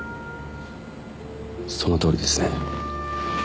そのとおりですね。